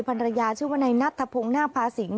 ภรรยาชื่อวนัยนัททะพงนาภาษิงค์